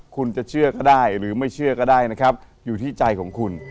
คุณจะเชื่อก็ได้หรือไม่เชื่อก็ได้นะครับอยู่ที่ใจของคุณ